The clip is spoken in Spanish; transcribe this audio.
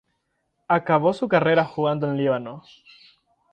Acabó su carrera jugando en Líbano.